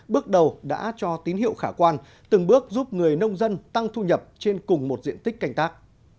bước đầu đã cho tín hiệu khả quan từng bước giúp người nông dân tăng thu nhập trên cùng một diện tích canh tác